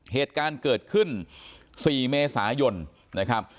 เหตุการณ์เกิดขึ้น๔เมษายนนะครับ